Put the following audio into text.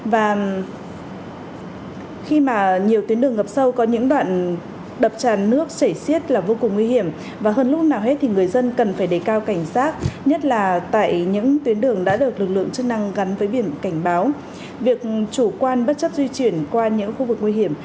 việc chủ quan bất chấp di chuyển qua những khu vực nguy hiểm